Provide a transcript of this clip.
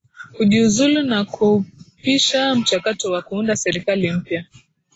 kujiuzulu na kuupisha mchakato wa kuunda serikali mpya